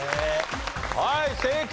はい正解！